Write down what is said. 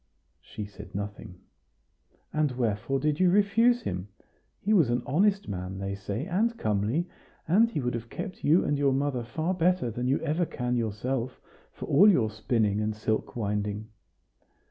She said nothing. "And wherefore did you refuse him? He was an honest man, they say, and comely; and he would have kept you and your mother far better than you ever can yourself, for all your spinning and silk winding."